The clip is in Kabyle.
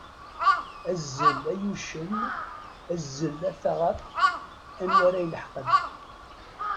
Azzel ay uccen, azzel a taɣaḍt anwa ara ileḥqen.